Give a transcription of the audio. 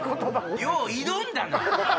よう挑んだな！